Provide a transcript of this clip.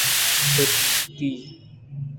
پٹکی